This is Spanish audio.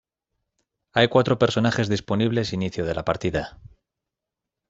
Hay cuatro personajes disponibles inicio de la partida.